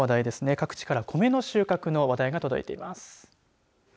各地からコメの収穫の話題が届いています。